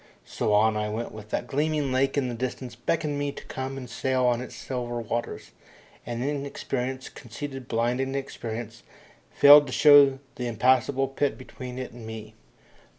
So on I went with that gleaming lake in the distance beckoning me to come and sail on its silver waters, and Inexperience, conceited, blind Inexperience, failing to show the impassable pit between it and me.